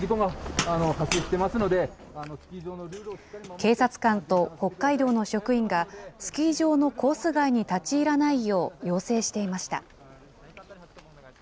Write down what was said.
警察官と北海道の職員が、スキー場のコース外に立ち入らないよう要請していました。